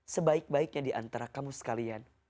sebaik baiknya diantara kamu sekalian